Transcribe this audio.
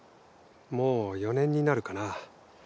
もう４年になるかな。